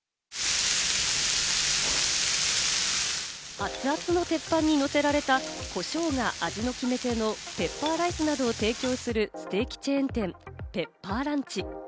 熱々の鉄板にのせられたコショウが味の決め手のペッパーライスなどを提供するステーキチェーン店・ペッパーランチ。